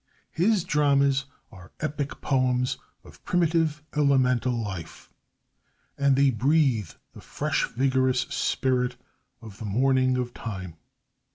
His dramas are epic poems of primitive elemental life, and they breathe the fresh, vigorous spirit of the morning of time.